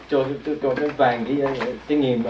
cho nó vàng cái nghiệm